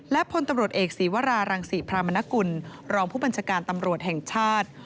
และพลตำรวจเอกศีวรารังศรีพรามนกุลรองผู้บัญชาการตำรวจแห่งชาติ